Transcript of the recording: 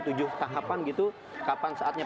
tujuh tahapan gitu kapan saatnya